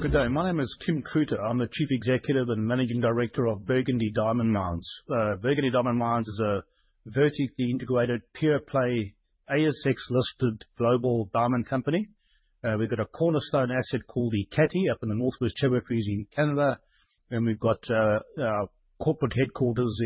Good day. My name is Kim Truter. I'm the Chief Executive and Managing Director of Burgundy Diamond Mines. Burgundy Diamond Mines is a vertically integrated, pure-play ASX-listed global diamond company. We've got a cornerstone asset called the Ekati up in the Northwest Territories in Canada, and we've got corporate headquarters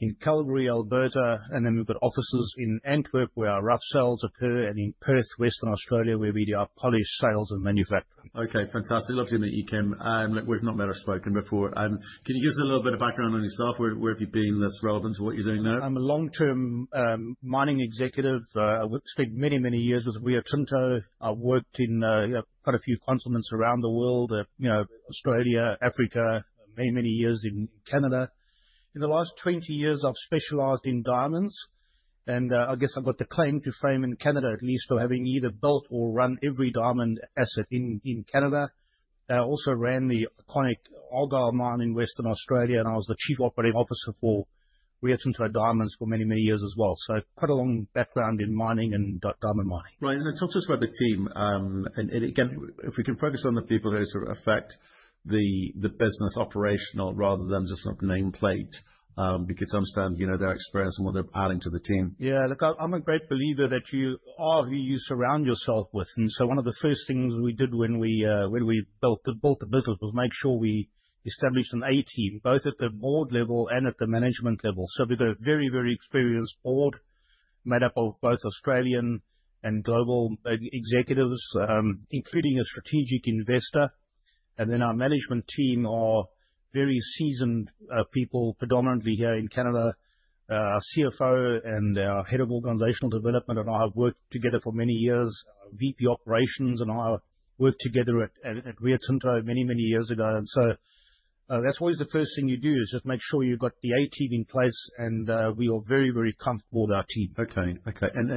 in Calgary, Alberta, and then we've got offices in Antwerp where our rough sales occur, and in Perth, Western Australia, where we do our polish, sales, and manufacturing. Okay, fantastic. Lovely to meet you, Kim. Look, we've not met or spoken before. Can you give us a little bit of background on yourself? Where have you been that's relevant to what you're doing now? I'm a long-term mining executive. I spent many, many years with Rio Tinto. I've worked in quite a few continents, around the world, Australia, Africa, many, many years in Canada. In the last 20 years, I've specialized in diamonds, and I guess I've got the claim to fame in Canada, at least, for having either built or run every diamond asset in Canada. I also ran the iconic Argyle Mine in Western Australia, and I was the Chief Operating Officer for Rio Tinto Diamonds for many, many years as well. So, quite a long background in mining and diamond mining. Right, and talk to us about the team, and again, if we can focus on the people who sort of affect the business operational rather than just sort of nameplate, we could understand their experience and what they're adding to the team. Yeah, look, I'm a great believer that you are who you surround yourself with. And so, one of the first things we did when we built the business was make sure we established an A team, both at the board level and at the management level. So, we've got a very, very experienced board made up of both Australian and global executives, including a strategic investor. And then our management team are very seasoned people, predominantly here in Canada. Our CFO and our Head of Organizational Development and I have worked together for many years. VP Operations and I worked together at Rio Tinto many, many years ago. And so, that's always the first thing you do, is just make sure you've got the A team in place, and we are very, very comfortable with our team. Okay, okay. And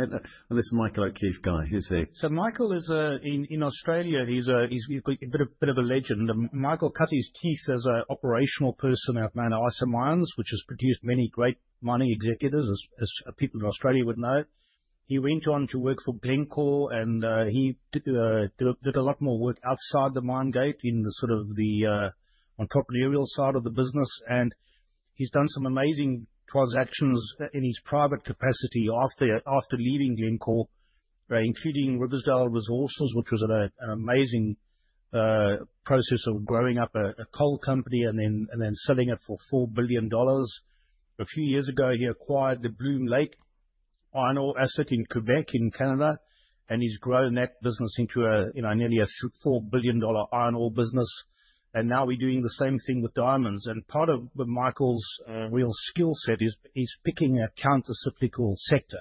this Michael O'Keeffe guy, who's he? Michael is in Australia. He's a bit of a legend. Michael cut his teeth as an operational person out of Mount Isa Mines, which has produced many great mining executives, as people in Australia would know. He went on to work for Glencore, and he did a lot more work outside the mine gate in the sort of entrepreneurial side of the business. And he's done some amazing transactions in his private capacity after leaving Glencore, including Riversdale Resources, which was an amazing process of growing up a coal company and then selling it for $4 billion. A few years ago, he acquired the Bloom Lake iron ore asset in Québec, in Canada, and he's grown that business into a nearly $4 billion iron ore business. And now we're doing the same thing with diamonds. And part of Michael's real skill set is he's picking a countercyclical sector.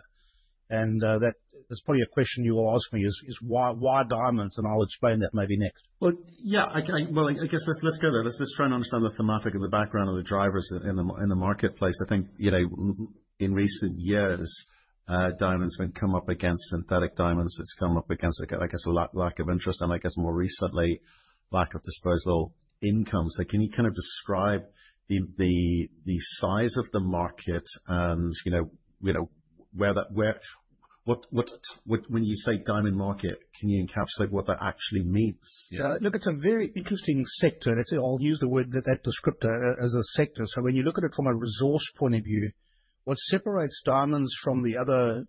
That's probably a question you will ask me, is why diamonds? I'll explain that maybe next. Well, yeah, well, I guess let's go there. Let's try and understand the thematic and the background of the drivers in the marketplace. I think in recent years, diamonds have come up against synthetic diamonds. It's come up against, I guess, a lack of interest and, I guess, more recently, lack of disposable income. So, can you kind of describe the size of the market and where that, when you say diamond market, can you encapsulate what that actually means? Yeah, look, it's a very interesting sector. And I'll use the word that that descriptor as a sector. So, when you look at it from a resource point of view, what separates diamonds from the other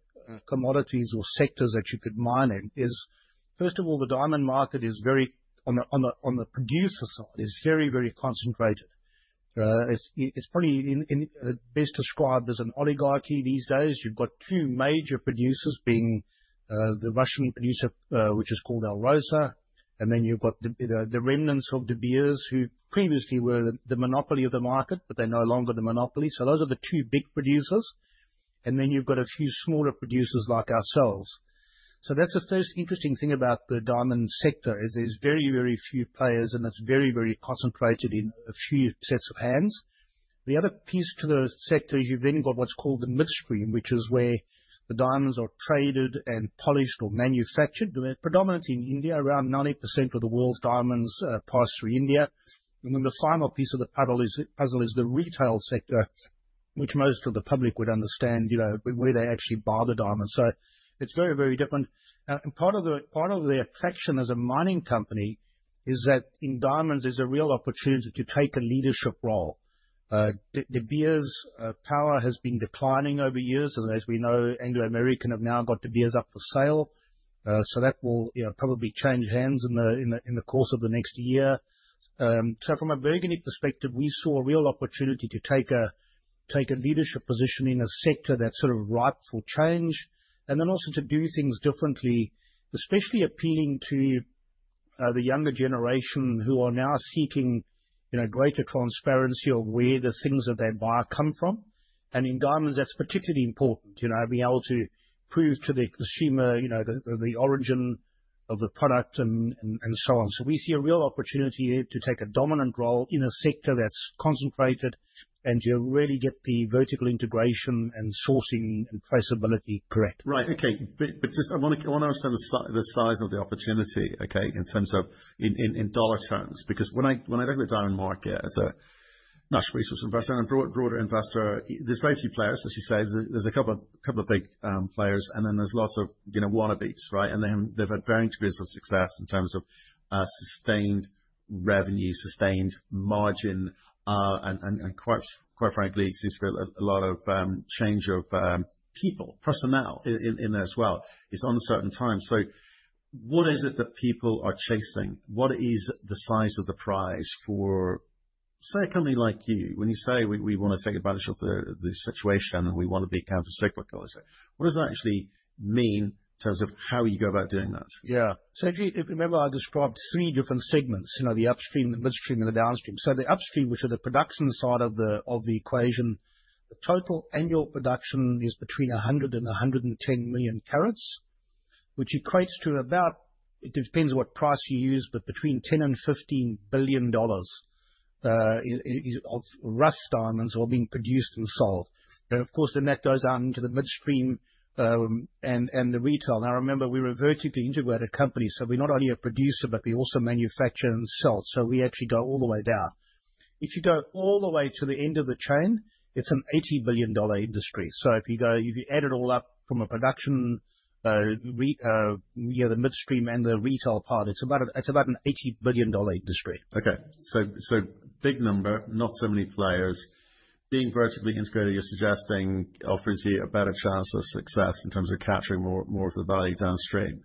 commodities or sectors that you could mine in is, first of all, the diamond market is very, on the producer side, it's very, very concentrated. It's probably best described as an oligarchy these days. You've got two major producers, being the Russian producer, which is called Alrosa, and then you've got the remnants of De Beers, who previously were the monopoly of the market, but they're no longer the monopoly. So, those are the two big producers. And then you've got a few smaller producers like ourselves. So, that's the first interesting thing about the diamond sector, is there's very, very few players, and it's very, very concentrated in a few sets of hands. The other piece to the sector is you've then got what's called the midstream, which is where the diamonds are traded and polished or manufactured, predominantly in India. Around 90% of the world's diamonds pass through India. And then the final piece of the puzzle is the retail sector, which most of the public would understand, where they actually buy the diamonds. So, it's very, very different. And part of the attraction as a mining company is that in diamonds, there's a real opportunity to take a leadership role. De Beers' power has been declining over years. And as we know, Anglo American have now got De Beers up for sale. So, that will probably change hands in the course of the next year. From a Burgundy perspective, we saw a real opportunity to take a leadership position in a sector that's sort of ripe for change, and then also to do things differently, especially appealing to the younger generation who are now seeking greater transparency of where the things that they buy come from. In diamonds, that's particularly important, being able to prove to the consumer the origin of the product and so on. We see a real opportunity here to take a dominant role in a sector that's concentrated, and you really get the vertical integration and sourcing and traceability correct. Right, okay. But just I want to understand the size of the opportunity, okay, in terms of in dollar terms, because when I look at the diamond market as a natural resource investor and a broader investor, there's very few players, as you say. There's a couple of big players, and then there's lots of wannabes, right? And they've had varying degrees of success in terms of sustained revenue, sustained margin, and quite frankly, it's a lot of change of people, personnel in there as well. It's uncertain times. So, what is it that people are chasing? What is the size of the prize for, say, a company like you? When you say we want to take advantage of the situation and we want to be countercyclical, what does that actually mean in terms of how you go about doing that? Yeah, so if you remember, I described three different segments, the upstream, the midstream, and the downstream. So, the upstream, which is the production side of the equation, the total annual production is between 100 million and 110 million carats, which equates to about $10 billion-$15 billion of rough diamonds being produced and sold, depending what price you use. And of course, then that goes on to the midstream and the retail. Now, remember, we're a vertically integrated company, so we not only are producers, but we also manufacture and sell. So, we actually go all the way down. If you go all the way to the end of the chain, it's an $80 billion industry. So, if you add it all up from production, the midstream and the retail part, it's about an $80 billion industry. Okay, so big number, not so many players. Being vertically integrated, you're suggesting, offers you a better chance of success in terms of capturing more of the value downstream.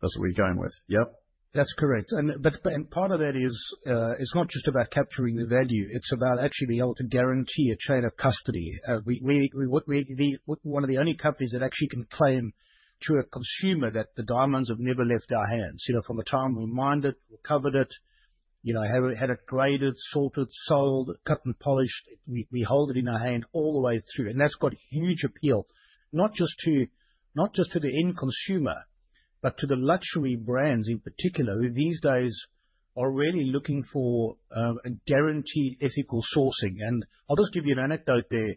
That's what we're going with, yeah? That's correct. And part of that is it's not just about capturing the value. It's about actually being able to guarantee a chain of custody. We're one of the only companies that actually can claim to a consumer that the diamonds have never left our hands. From the time we mined it, we covered it, had it graded, sorted, sold, cut and polished, we hold it in our hand all the way through. And that's got huge appeal, not just to the end consumer, but to the luxury brands in particular, who these days are really looking for guaranteed ethical sourcing. And I'll just give you an anecdote there.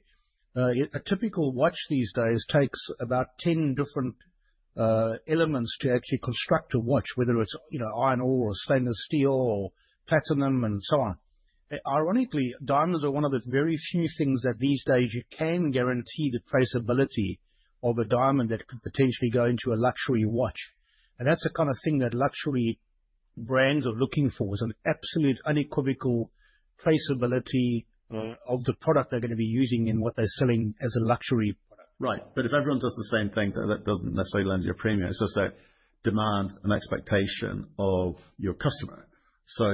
A typical watch these days takes about 10 different elements to actually construct a watch, whether it's iron ore or stainless steel or platinum and so on. Ironically, diamonds are one of the very few things that these days you can guarantee the traceability of a diamond that could potentially go into a luxury watch. And that's the kind of thing that luxury brands are looking for, is an absolute unequivocal traceability of the product they're going to be using and what they're selling as a luxury product. Right. But if everyone does the same thing, that doesn't necessarily lend you a premium. It's just a demand and expectation of your customer. So,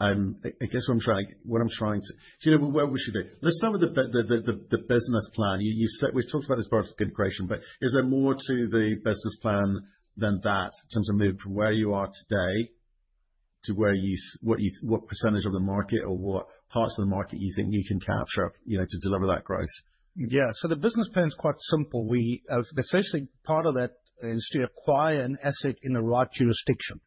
I guess what I'm trying to, so you know where we should be. Let's start with the business plan. We've talked about this vertical integration, but is there more to the business plan than that in terms of moving from where you are today to what percentage of the market or what parts of the market you think you can capture to deliver that growth? Yeah, so the business plan is quite simple. We essentially part of that is to acquire an asset in the right jurisdiction.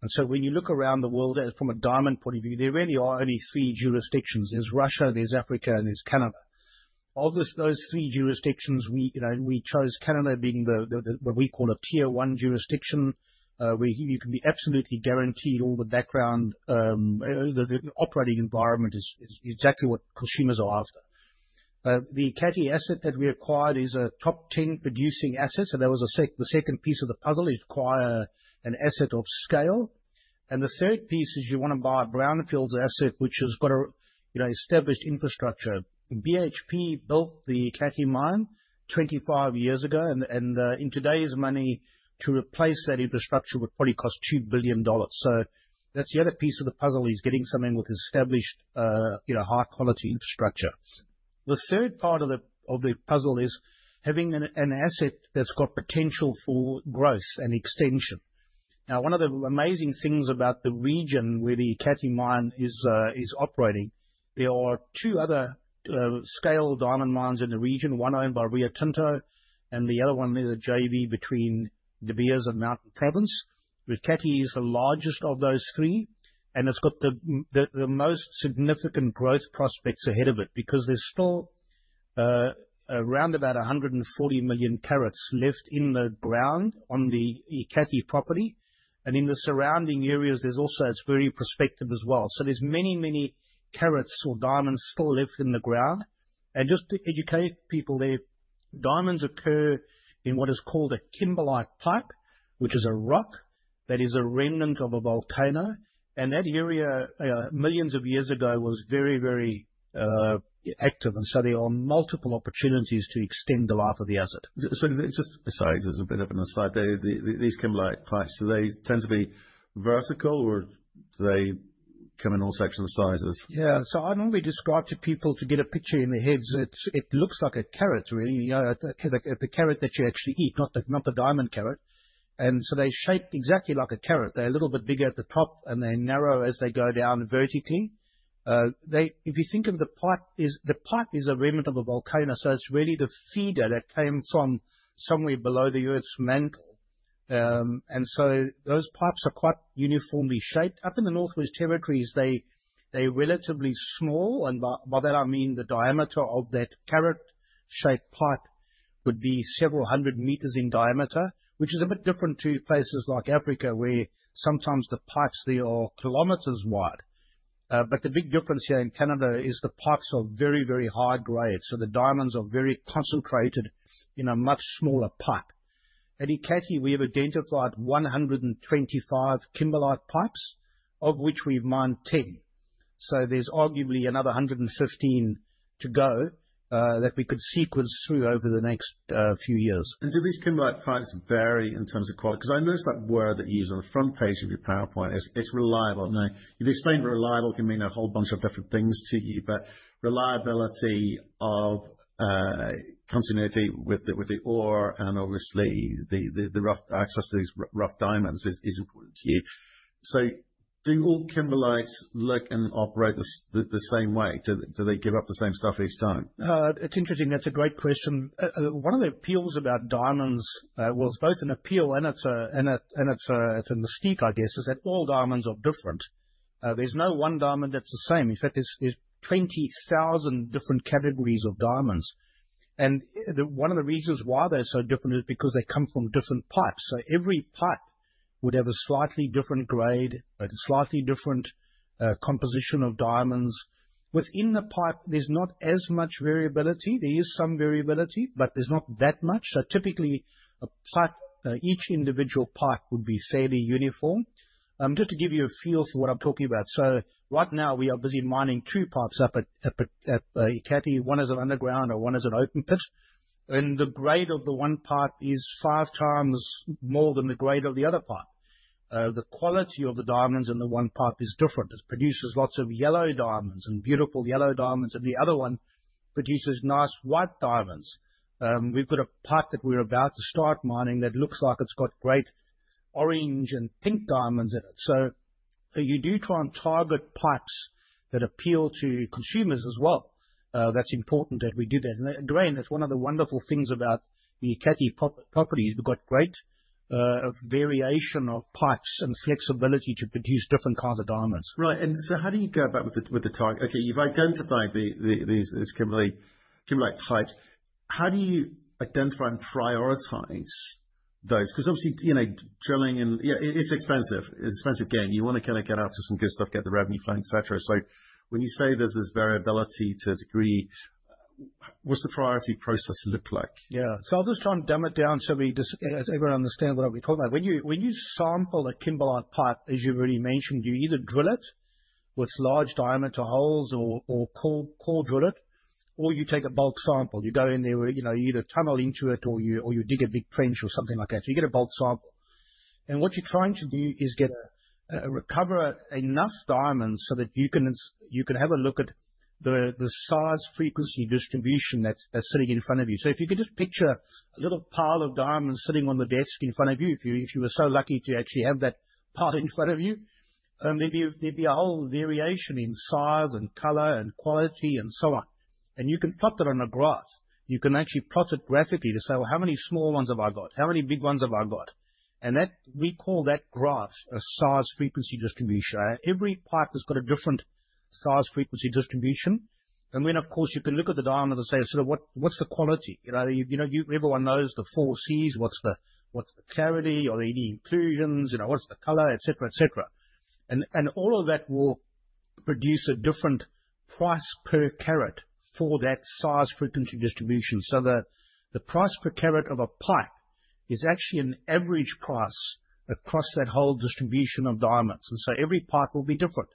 And so, when you look around the world from a diamond point of view, there really are only three jurisdictions. There's Russia, there's Africa, and there's Canada. Of those three jurisdictions, we chose Canada being what we call a tier one jurisdiction, where you can be absolutely guaranteed all the background. The operating environment is exactly what consumers are after. The Ekati asset that we acquired is a top 10 producing asset. So, that was the second piece of the puzzle. You acquire an asset of scale. And the third piece is you want to buy a brownfield asset, which has got an established infrastructure. BHP built the Ekati mine 25 years ago, and in today's money, to replace that infrastructure would probably cost $2 billion. That's the other piece of the puzzle is getting something with established high-quality infrastructure. The third part of the puzzle is having an asset that's got potential for growth and extension. Now, one of the amazing things about the region where the Ekati mine is operating, there are two other scale diamond mines in the region, one owned by Rio Tinto and the other one is a JV between De Beers and Mountain Province. With Ekati, it's the largest of those three, and it's got the most significant growth prospects ahead of it because there's still around about 140 million carats left in the ground on the Ekati property. And in the surrounding areas, there's also, it's very prospective as well. So, there's many, many carats or diamonds still left in the ground. Just to educate people there, diamonds occur in what is called a kimberlite pipe, which is a rock that is a remnant of a volcano. That area, millions of years ago, was very, very active. There are multiple opportunities to extend the life of the asset. So, it's just a bit of an aside. These kimberlite pipes, do they tend to be vertical or do they come in all sections and sizes? Yeah, so I normally describe to people to get a picture in their heads. It looks like a carrot, really, the carrot that you actually eat, not the diamond carat, and so they shape exactly like a carrot. They're a little bit bigger at the top, and they're narrow as they go down vertically. If you think of the pipe, the pipe is a remnant of a volcano, so it's really the feeder that came from somewhere below the Earth's mantle, and so those pipes are quite uniformly shaped. Up in the Northwest Territories, they're relatively small, and by that I mean the diameter of that carrot-shaped pipe would be several hundred metres in diameter, which is a bit different to places like Africa, where sometimes the pipes they are kilometres wide, but the big difference here in Canada is the pipes are very, very high grade. So, the diamonds are very concentrated in a much smaller pipe. At Ekati, we have identified 125 kimberlite pipes, of which we've mined 10. So, there's arguably another 115 to go that we could sequence through over the next few years. And do these kimberlite pipes vary in terms of quality? Because I noticed that word that you use on the front page of your, it's reliable. Now, you've explained reliable can mean a whole bunch of different things to you, but reliability of continuity with the ore and obviously the rough access to these rough diamonds is important to you. So, do all kimberlites look and operate the same way? Do they give up the same stuff each time? It's interesting. That's a great question. One of the appeals about diamonds, well, it's both an appeal and it's a mystique, I guess, is that all diamonds are different. There's no one diamond that's the same. In fact, there's 20,000 different categories of diamonds. And one of the reasons why they're so different is because they come from different pipes. So, every pipe would have a slightly different grade, a slightly different composition of diamonds. Within the pipe, there's not as much variability. There is some variability, but there's not that much. So, typically, each individual pipe would be fairly uniform. Just to give you a feel for what I'm talking about, so right now, we are busy mining two pipes up at Ekati. One is an underground and one is an open pit. The grade of the one pipe is five times more than the grade of the other pipe. The quality of the diamonds in the one pipe is different. It produces lots of yellow diamonds and beautiful yellow diamonds. The other one produces nice white diamonds. We've got a pipe that we're about to start mining that looks like it's got great orange and pink diamonds in it. You do try and target pipes that appeal to consumers as well. That's important that we do that. Again, that's one of the wonderful things about the Ekati property. We've got great variation of pipes and flexibility to produce different kinds of diamonds. Right. And so, how do you go about with the target? Okay, you've identified these kimberlite pipes. How do you identify and prioritize those? Because obviously, drilling and, yeah, it's expensive. It's an expensive game. You want to kind of get out to some good stuff, get the revenue flow, et cetera. So, when you say there's this variability to a degree, what's the priority process look like? Yeah, so I'll just try and dumb it down so everyone understands what I'm talking about. When you sample a kimberlite pipe, as you've already mentioned, you either drill it with large diameter holes or core drill it, or you take a bulk sample. You go in there, you either tunnel into it or you dig a big trench or something like that. So, you get a bulk sample. And what you're trying to do is recover enough diamonds so that you can have a look at the size frequency distribution that's sitting in front of you. So, if you could just picture a little pile of diamonds sitting on the desk in front of you, if you were so lucky to actually have that pile in front of you, there'd be a whole variation in size and color and quality and so on. And you can plot that on a graph. You can actually plot it graphically to say, well, how many small ones have I got? How many big ones have I got? And we call that graph a size frequency distribution. Every pipe has got a different size frequency distribution. And then, of course, you can look at the diamond and say, sort of what's the quality? Everyone knows the 4Cs, what's the clarity or any inclusions, what's the color, et cetera, et cetera. And all of that will produce a different price per carat for that size frequency distribution. So, the price per carat of a pipe is actually an average price across that whole distribution of diamonds. And so, every pipe will be different.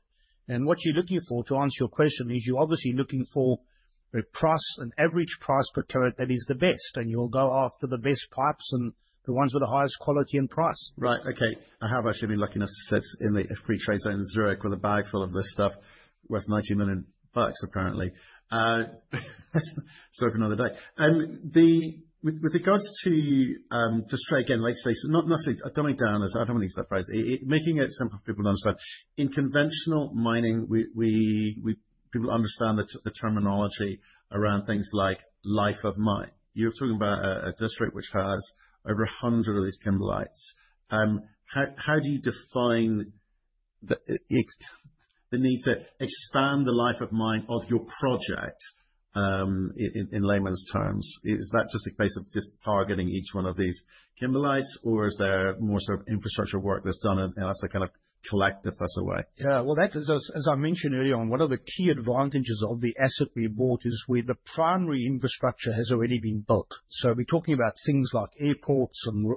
What you're looking for, to answer your question, is you're obviously looking for a price, an average price per carat that is the best. You'll go after the best pipes and the ones with the highest quality and price. Right. Okay. I have actually been lucky enough to sit in the free trade zone in Zurich with a bag full of this stuff worth $90 million, apparently. Let's talk another day. With regards to, just to try again, let's say, not necessarily dumbing down, I don't want to use that phrase, making it simple for people to understand. In conventional mining, people understand the terminology around things like life of mine. You're talking about a district which has over 100 of these kimberlites. How do you define the need to expand the life of mine of your project in layman's terms? Is that just a case of just targeting each one of these kimberlites, or is there more sort of infrastructure work that's done as a kind of collective as a way? Yeah, well, as I mentioned earlier, one of the key advantages of the asset we bought is where the primary infrastructure has already been built, so we're talking about things like airports and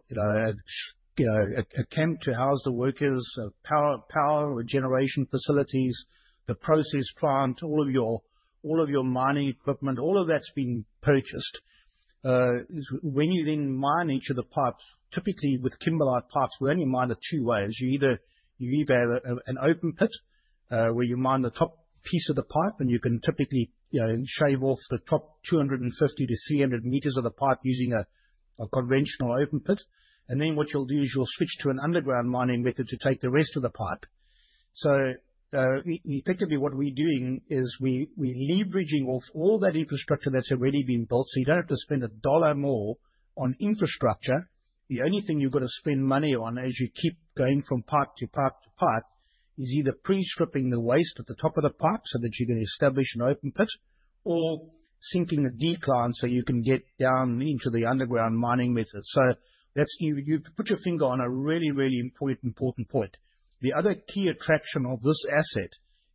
a camp to house the workers, power generation facilities, the process plant, all of your mining equipment, all of that's been purchased. When you then mine each of the pipes, typically with kimberlite pipes, we only mine it two ways. You either have an open pit where you mine the top piece of the pipe, and you can typically shave off the top 250 m-300 m of the pipe using a conventional open pit, and then what you'll do is you'll switch to an underground mining method to take the rest of the pipe, so effectively, what we're doing is we're leveraging off all that infrastructure that's already been built. You don't have to spend a dollar more on infrastructure. The only thing you've got to spend money on as you keep going from pipe to pipe to pipe is either pre-stripping the waste at the top of the pipe so that you can establish an open pit or sinking a decline so you can get down into the underground mining method. You've put your finger on a really, really important point. The other key attraction of this asset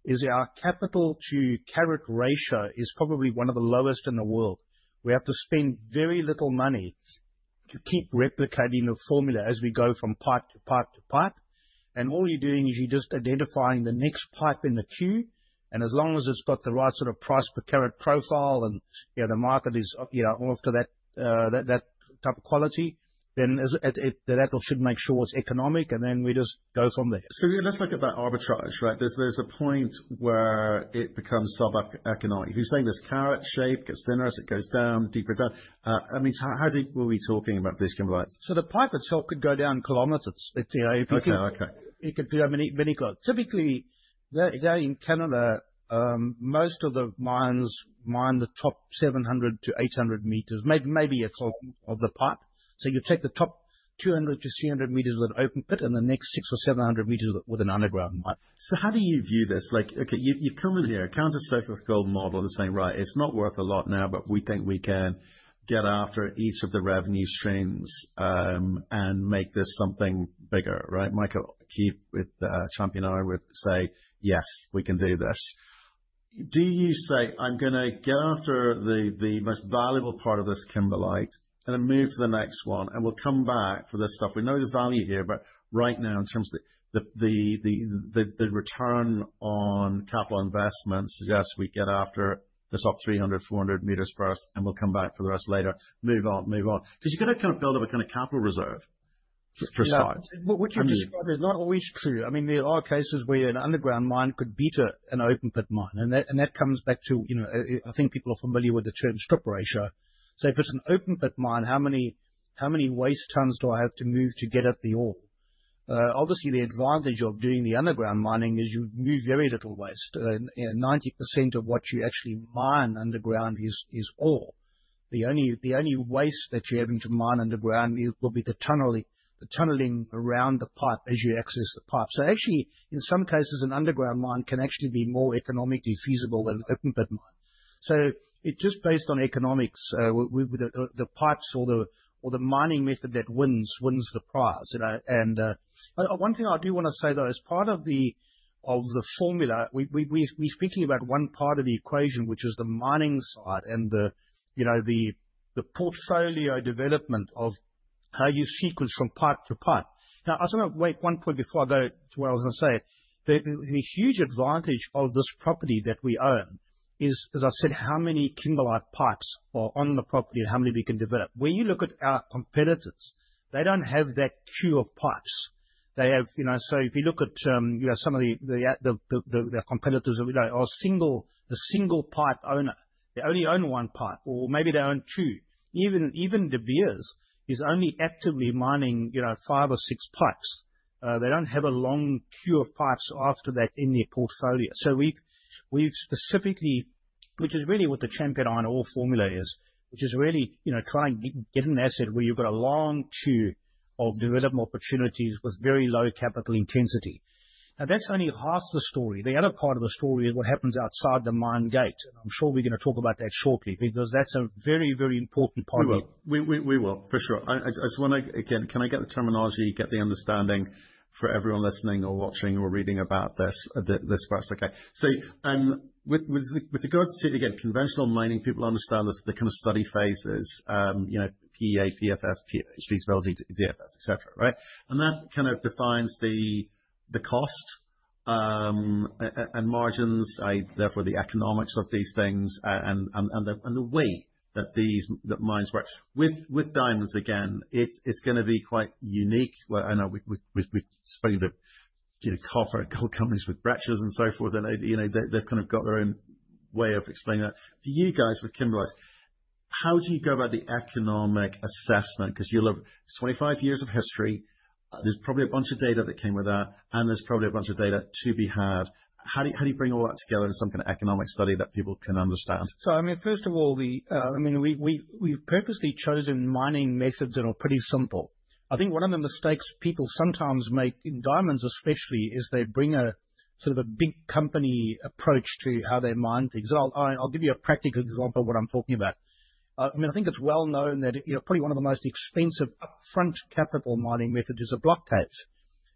is our capital to carat ratio is probably one of the lowest in the world. We have to spend very little money to keep replicating the formula as we go from pipe to pipe to pipe. All you're doing is you're just identifying the next pipe in the queue. And as long as it's got the right sort of price per carat profile and the market is after that type of quality, then that should make sure it's economic. And then we just go from there. So, let's look at that arbitrage, right? There's a point where it becomes sub-economic. If you're saying this carrot shape gets thinner as it goes down, deeper down, I mean, how deep were we talking about these kimberlites? So, the pipe itself could go down kilometres. Okay, okay. It could go many kilometres. Typically, there in Canada, most of the mines mine the top 700 m-800 m, maybe a quarter of the pipe, so you take the top 200 m-300 m with an open pit and the next 600 m or 700 m with an underground mine. So, how do you view this? Okay, you've come in here, a counter-cyclical model and saying, right, it's not worth a lot now, but we think we can get after each of the revenue streams and make this something bigger, right? Michael O'Keeffe with Champion I would say, yes, we can do this. Do you say, I'm going to get after the most valuable part of this kimberlite and then move to the next one and we'll come back for this stuff? We know there's value here, but right now, in terms of the return on capital investment, suggest we get after this up 300 m-400 m first and we'll come back for the rest later. Move on, move on. Because you've got to kind of build up a kind of capital reserve for size. What you've described is not always true. I mean, there are cases where an underground mine could beat an open pit mine. And that comes back to, I think people are familiar with the term strip ratio. So, if it's an open pit mine, how many waste tons do I have to move to get at the ore? Obviously, the advantage of doing the underground mining is you move very little waste. 90% of what you actually mine underground is ore. The only waste that you're having to mine underground will be the tunneling around the pipe as you access the pipe. So, actually, in some cases, an underground mine can actually be more economically feasible than an open pit mine. So, it's just based on economics. The pipes or the mining method that wins the prize. One thing I do want to say, though, as part of the formula, we're speaking about one part of the equation, which is the mining side and the portfolio development of how you sequence from pipe to pipe. Now, I just want to make one point before I go to where I was going to say. The huge advantage of this property that we own is, as I said, how many kimberlite pipes are on the property and how many we can develop. When you look at our competitors, they don't have that queue of pipes. So, if you look at some of the competitors, a single pipe owner, they only own one pipe or maybe they own two. Even De Beers is only actively mining five or six pipes. They don't have a long queue of pipes after that in their portfolio. So, we've specifically, which is really what the Champion Iron Formula is, which is really trying to get an asset where you've got a long queue of development opportunities with very low capital intensity. Now, that's only half the story. The other part of the story is what happens outside the mine gate. And I'm sure we're going to talk about that shortly because that's a very, very important part of it. We will, for sure. I just want to, again, can I get the terminology, get the understanding for everyone listening or watching or reading about this? This part's okay. So, with regards to, again, conventional mining, people understand the kind of study phases, PEA, PFS, feasibility, DFS, et cetera, right? And that kind of defines the cost and margins, therefore the economics of these things and the way that mines work. With diamonds, again, it's going to be quite unique. I know we've spoken to copper and gold companies with breaches and so forth. They've kind of got their own way of explaining that. For you guys with kimberlites, how do you go about the economic assessment? Because you'll have 25 years of history. There's probably a bunch of data that came with that, and there's probably a bunch of data to be had. How do you bring all that together in some kind of economic study that people can understand? I mean, first of all, I mean, we've purposely chosen mining methods that are pretty simple. I think one of the mistakes people sometimes make in diamonds, especially, is they bring a sort of a big company approach to how they mine things, and I'll give you a practical example of what I'm talking about. I mean, I think it's well known that probably one of the most expensive upfront capital mining methods is a block cave.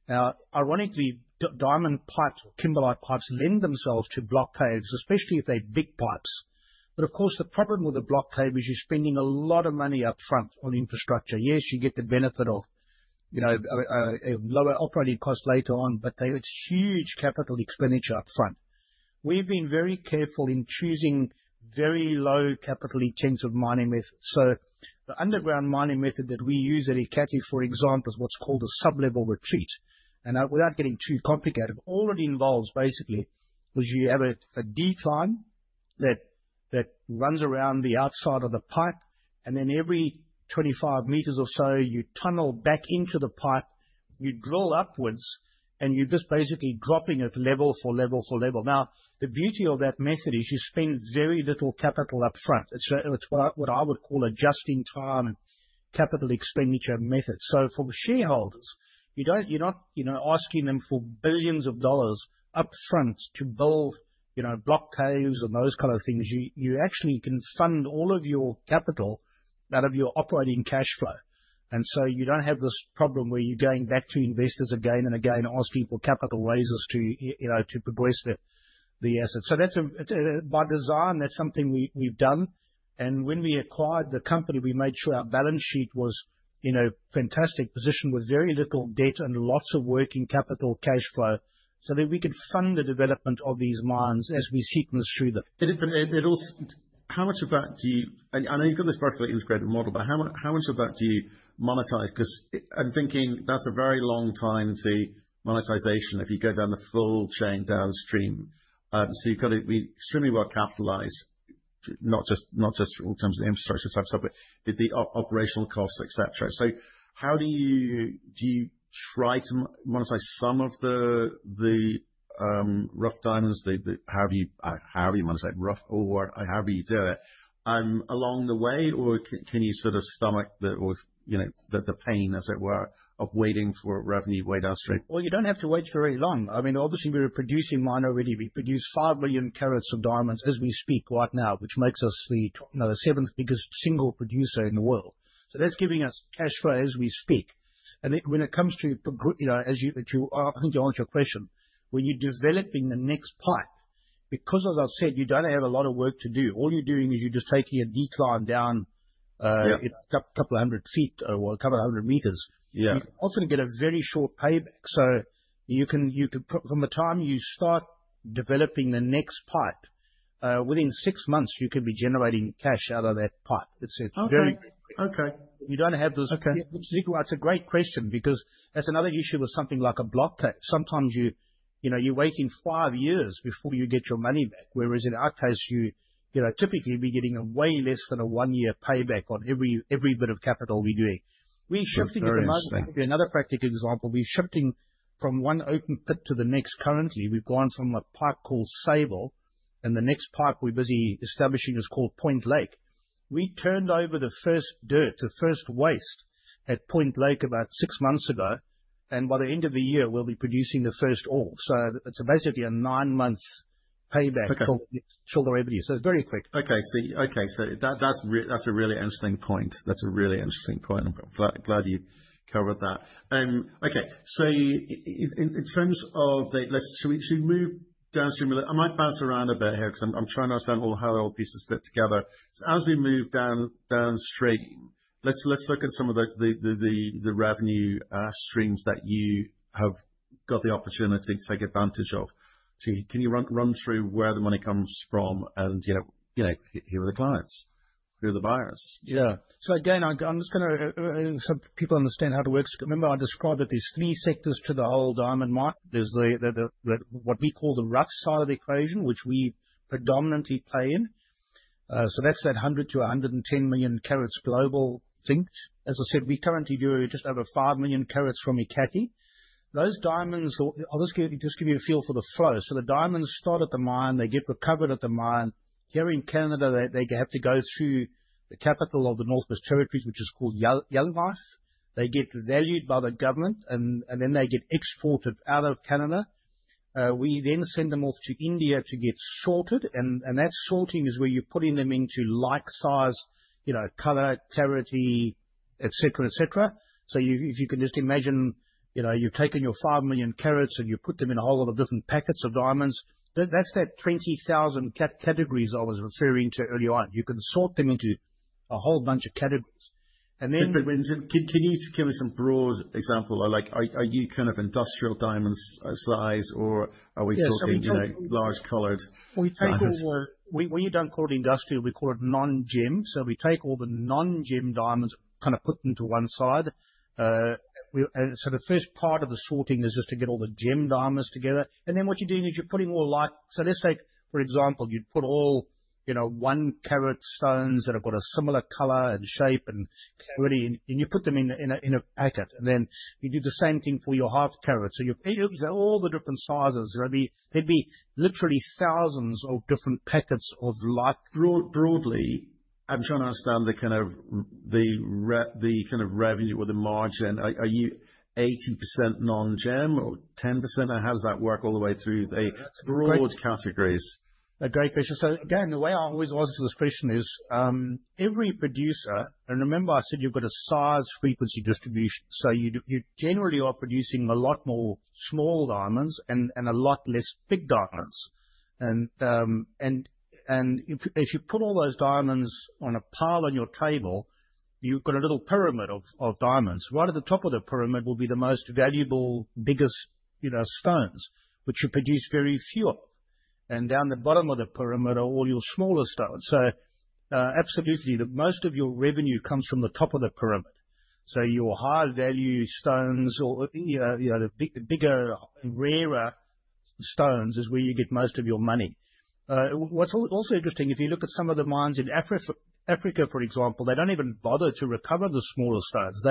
Now, ironically, diamond pipes or kimberlite pipes lend themselves to block caves, especially if they're big pipes, but of course, the problem with a block cave is you're spending a lot of money upfront on infrastructure. Yes, you get the benefit of lower operating costs later on, but it's huge capital expenditure upfront. We've been very careful in choosing very low capital intensive mining methods. So, the underground mining method that we use at Ekati, for example, is what's called a sub-level retreat. And without getting too complicated, all it involves basically is you have a decline that runs around the outside of the pipe, and then every 25 m or so, you tunnel back into the pipe, you drill upwards, and you're just basically dropping it level for level for level. Now, the beauty of that method is you spend very little capital upfront. It's what I would call a just-in-time capital expenditure method. So, for shareholders, you're not asking them for billions of dollars upfront to build block caves and those kind of things. You actually can fund all of your capital out of your operating cash flow. And so, you don't have this problem where you're going back to investors again and again asking for capital raises to progress the asset. By design, that's something we've done, and when we acquired the company, we made sure our balance sheet was in a fantastic position with very little debt and lots of working capital cash flow so that we could fund the development of these mines as we sequence through them. How much of that do you, and I know you've got this perfectly integrated model, but how much of that do you monetize? Because I'm thinking that's a very long time to monetization if you go down the full chain downstream. So, you've got to be extremely well capitalized, not just in terms of the infrastructure type stuff, but the operational costs, et cetera. So, how do you try to monetize some of the rough diamonds? How do you monetize rough or how do you do it along the way? Or can you sort of stomach the pain, as it were, of waiting for revenue way downstream? You don't have to wait for very long. I mean, obviously, we're a producing mine already. We produce five million carats of diamonds as we speak right now, which makes us the seventh biggest single producer in the world. That's giving us cash flow as we speak. When it comes to, as you answer your question, when you're developing the next pipe, because, as I've said, you don't have a lot of work to do. All you're doing is you're just taking a decline down a couple hundred feet or a couple hundred metres. You can often get a very short payback. From the time you start developing the next pipe, within six months, you can be generating cash out of that pipe. It's a very good question. If you don't have this, that's a great question because that's another issue with something like a block cave. Sometimes you're waiting five years before you get your money back, whereas in our case, you're typically getting way less than a one-year payback on every bit of capital we're doing. We're shifting at the moment, another practical example, we're shifting from one open pit to the next currently. We've gone from a pipe called Sable, and the next pipe we're busy establishing is called Point Lake. We turned over the first dirt, the first waste at Point Lake about six months ago, and by the end of the year, we'll be producing the first ore, so it's basically a nine-month payback on the next shoulder revenue, so it's very quick. Okay, so that's a really interesting point. That's a really interesting point. I'm glad you covered that. Okay, so in terms of the, so we move downstream a little. I might bounce around a bit here because I'm trying to understand how the whole piece is fit together. So, as we move downstream, let's look at some of the revenue streams that you have got the opportunity to take advantage of. So, can you run through where the money comes from and who are the clients? Who are the buyers? Yeah. So, again, I'm just going to help people understand how it works. Remember, I described that there's three sectors to the whole diamond mine. There's what we call the rough side of the equation, which we predominantly play in. So, that's that 100 million-110 million carats global thing. As I said, we currently do just over 5 million carats from Ekati. Those diamonds. I'll just give you a feel for the flow. So, the diamonds start at the mine. They get recovered at the mine. Here in Canada, they have to go through the capital of the Northwest Territories, which is called Yellowknife. They get valued by the government, and then they get exported out of Canada. We then send them off to India to get sorted. And that sorting is where you're putting them into like size, color, clarity, et cetera, et cetera. So, if you can just imagine you've taken your 5 million carats and you've put them in a whole lot of different packets of diamonds, that's that 20,000 categories I was referring to earlier on. You can sort them into a whole bunch of categories. And then. Can you give me some broad example? Are you kind of industrial diamonds size or are we talking large colored? We don't call it industrial. We call it non-gem. So, we take all the non-gem diamonds, kind of put them to one side. So, the first part of the sorting is just to get all the gem diamonds together. And then what you're doing is you're putting—so let's take, for example, you'd put all one-carat stones that have got a similar color and shape and clarity, and you put them in a packet. And then you do the same thing for your half-carat. So, you've got all the different sizes. There'd be literally thousands of different packets of like. Broadly, I'm trying to understand the kind of revenue or the margin. Are you 80% non-gem or 10%? How does that work all the way through the broad categories? That's a great question. So, again, the way I always answer this question is every producer, and remember, I said you've got a size frequency distribution, so you generally are producing a lot more small diamonds and a lot less big diamonds, and if you put all those diamonds on a pile on your table, you've got a little pyramid of diamonds. Right at the top of the pyramid will be the most valuable, biggest stones, which you produce very few of, and down the bottom of the pyramid are all your smaller stones, so absolutely, most of your revenue comes from the top of the pyramid, so your high-value stones or the bigger, rarer stones is where you get most of your money. What's also interesting, if you look at some of the mines in Africa, for example, they don't even bother to recover the smaller stones.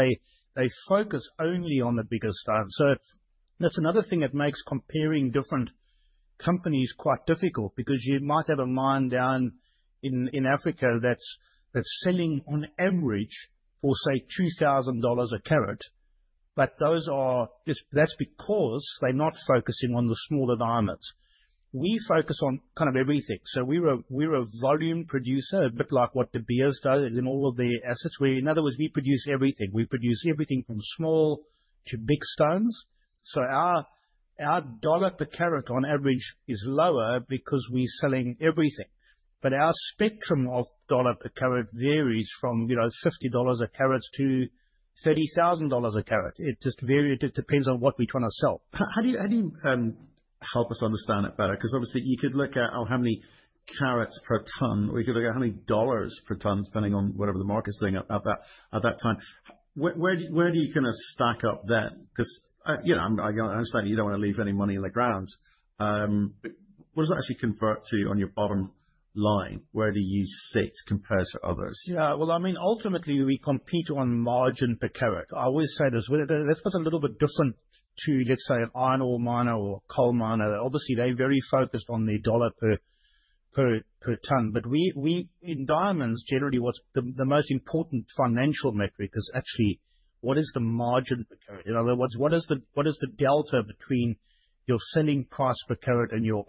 They focus only on the bigger stones. So, that's another thing that makes comparing different companies quite difficult because you might have a mine down in Africa that's selling on average for, say, $2,000 a carat. But that's because they're not focusing on the smaller diamonds. We focus on kind of everything. So, we're a volume producer, a bit like what De Beers does in all of their assets, where in other words, we produce everything. We produce everything from small to big stones. So, our dollar per carat on average is lower because we're selling everything. But our spectrum of dollar per carat varies from $50 a carat to $30,000 a carat. It just depends on what we're trying to sell. How do you help us understand it better? Because obviously, you could look at how many carats per ton, or you could look at how many dollars per ton, depending on whatever the market's doing at that time. Where do you kind of stack up then? Because I understand you don't want to leave any money in the ground. What does that actually convert to on your bottom line? Where do you sit compared to others? Yeah, well, I mean, ultimately, we compete on margin per carat. I always say this. Let's put a little bit different to, let's say, an iron ore miner or a coal miner. Obviously, they're very focused on their dollar per ton. But in diamonds, generally, the most important financial metric is actually what is the margin per carat? In other words, what is the delta between your selling price per carat and your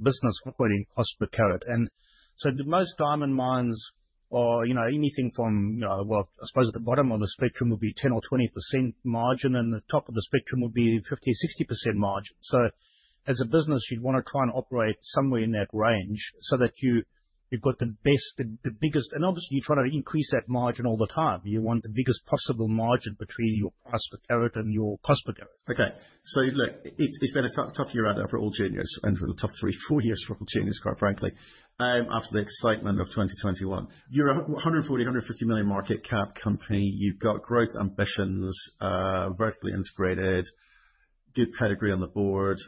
business operating cost per carat? And so, the most diamond mines or anything from, well, I suppose at the bottom of the spectrum would be 10% or 20% margin, and the top of the spectrum would be 50%-60% margin. So, as a business, you'd want to try and operate somewhere in that range so that you've got the biggest. And obviously, you're trying to increase that margin all the time. You want the biggest possible margin between your price per carat and your cost per carat. Okay. Look, it's been a tough year for Alrosa and for the top three or four years for Alrosa, quite frankly, after the excitement of 2021. You're a 140 million-150 million market cap company. You've got growth ambitions, vertically integrated, good pedigree on the board,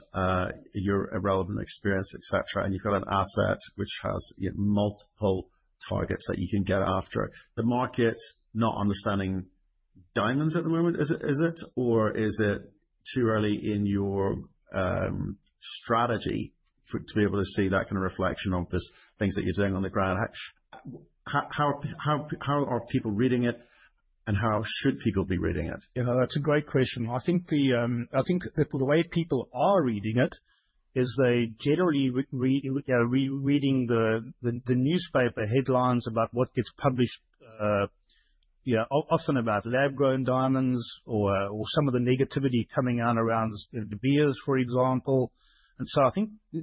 your relevant experience, et cetera. And you've got an asset which has multiple targets that you can get after. The market's not understanding diamonds at the moment, is it? Or is it too early in your strategy to be able to see that kind of reflection of the things that you're doing on the ground? How are people reading it, and how should people be reading it? That's a great question. I think the way people are reading it is they're generally reading the newspaper headlines about what gets published, often about lab-grown diamonds or some of the negativity coming out around De Beers, for example. And so, I think a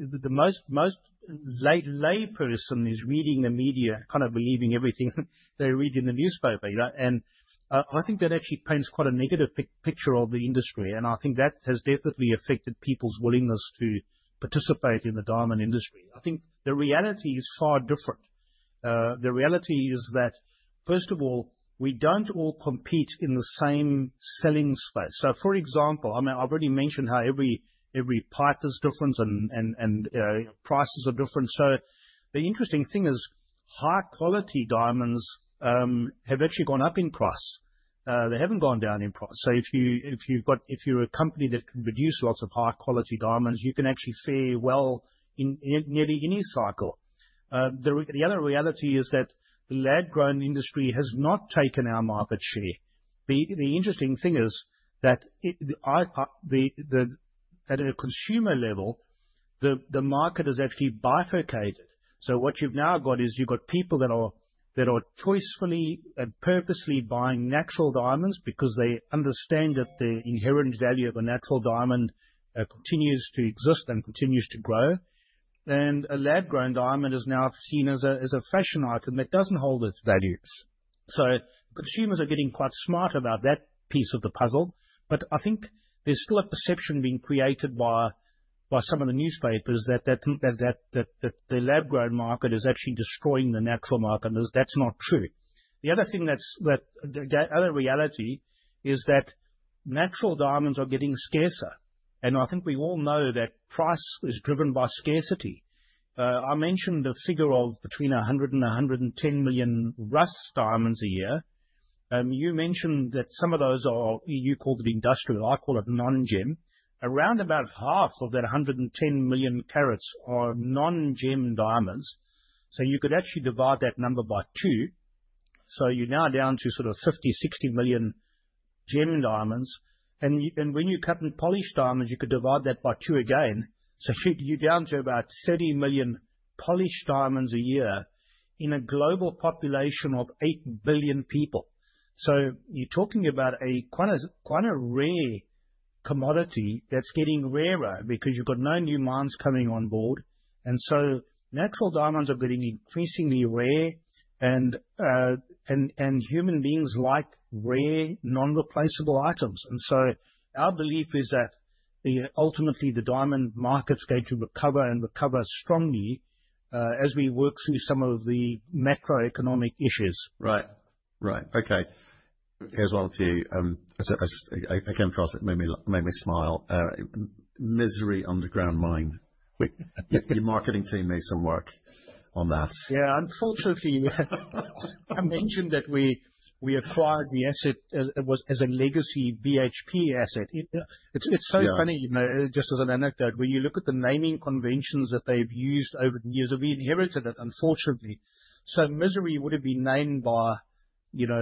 layperson is reading the media, kind of believing everything they read in the newspaper. And I think that actually paints quite a negative picture of the industry. And I think that has definitely affected people's willingness to participate in the diamond industry. I think the reality is far different. The reality is that, first of all, we don't all compete in the same selling space. So, for example, I've already mentioned how every pipe is different and prices are different. So, the interesting thing is high-quality diamonds have actually gone up in price. They haven't gone down in price. So, if you're a company that can produce lots of high-quality diamonds, you can actually fare well in nearly any cycle. The other reality is that the lab-grown industry has not taken our market share. The interesting thing is that at a consumer level, the market is actually bifurcated. So, what you've now got is you've got people that are choicefully and purposely buying natural diamonds because they understand that the inherent value of a natural diamond continues to exist and continues to grow. And a lab-grown diamond is now seen as a fashion item that doesn't hold its values. So, consumers are getting quite smart about that piece of the puzzle. But I think there's still a perception being created by some of the newspapers that the lab-grown market is actually destroying the natural market. That's not true. The other thing that's the other reality is that natural diamonds are getting scarcer, and I think we all know that price is driven by scarcity. I mentioned the figure of between 100 million and 110 million rough diamonds a year. You mentioned that some of those are you call them industrial. I call it non-gem. Around about half of that 110 million carats are non-gem diamonds. So, you could actually divide that number by two. So, you're now down to sort of 50 million, 60 million gem diamonds, and when you cut and polish diamonds, you could divide that by two again. So, you're down to about 30 million polished diamonds a year in a global population of 8 billion people. So, you're talking about a quite a rare commodity that's getting rarer because you've got no new mines coming on board. And so, natural diamonds are getting increasingly rare, and human beings like rare, non-replaceable items. And so, our belief is that ultimately, the diamond market's going to recover and recover strongly as we work through some of the macroeconomic issues. Right. Right. Okay. Here's one for you. I came across it. It made me smile. Misery underground mine. Your marketing team needs some work on that. Yeah. Unfortunately, I mentioned that we acquired the asset as a legacy BHP asset. It's so funny, just as an anecdote, when you look at the naming conventions that they've used over the years. We inherited it, unfortunately. So, Misery would have been named by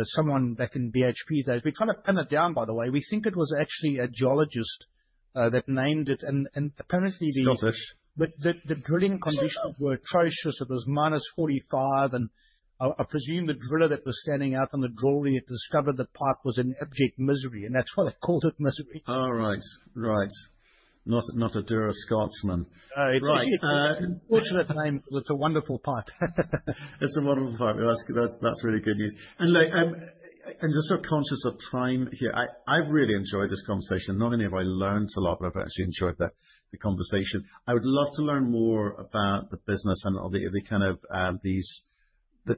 someone back in BHP days. We're trying to pin it down, by the way. We think it was actually a geologist that named it. And apparently the. Still fish. The drilling conditions were atrocious. It was minus 45 degrees Celsius. I presume the driller that was standing out in the drilling discovered the pipe was in abject misery. That's why they called it Misery. Oh, right. Right. Not a true Scotsman. Right. Unfortunate name, but it's a wonderful pipe. It's a wonderful pipe. That's really good news. And just so conscious of time here, I've really enjoyed this conversation. Not only have I learned a lot, but I've actually enjoyed the conversation. I would love to learn more about the business and the kind of these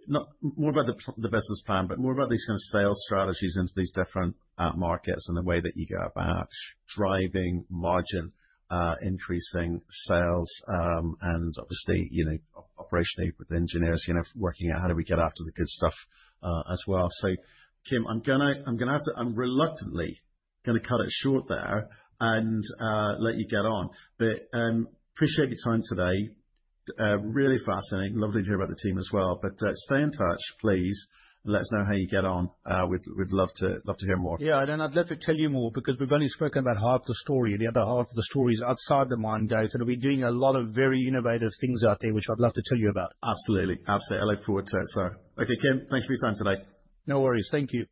not more about the business plan, but more about these kind of sales strategies into these different markets and the way that you go about driving margin, increasing sales, and obviously, operationally with engineers, working out how do we get after the good stuff as well. So, Kim, I'm reluctantly going to cut it short there and let you get on. But appreciate your time today. Really fascinating. Love to hear about the team as well. But stay in touch, please. Let us know how you get on. We'd love to hear more. Yeah, and I'd love to tell you more because we've only spoken about half the story. The other half of the story is outside the mine gate, and we're doing a lot of very innovative things out there, which I'd love to tell you about. Absolutely. Absolutely. I look forward to it. So, okay, Kim, thank you for your time today. No worries. Thank you.